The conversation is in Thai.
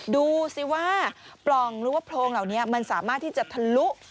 ดูสิว่าปล่องหรือว่าโพรงเหล่านี้มันสามารถที่จะทะลุ